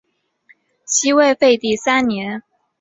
西魏废帝三年。